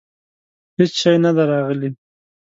هیڅ شی نه دي راغلي.